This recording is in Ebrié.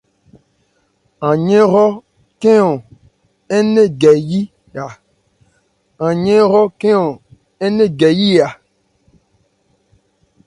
An yɛ́n hrɔ́ khɛ́n-ɔn ń nɛ̂n gɛ yí a.